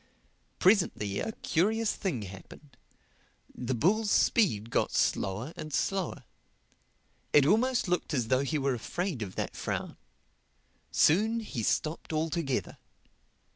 Presently a curious thing happened: the bull's speed got slower and slower. It almost looked as though he were afraid of that frown. Soon he stopped altogether.